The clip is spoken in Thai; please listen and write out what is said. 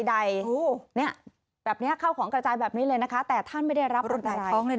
เนี่ยแบบเนี่ยข้าวของกระจายแบบนี้เลยนะคะแต่ท่านไม่ได้รับอันตราย